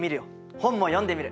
本も読んでみる！